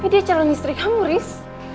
tapi dia calon istri kamu riz